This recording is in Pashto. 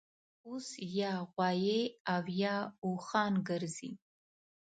اوس یا غوایي اویا اوښان ګرځي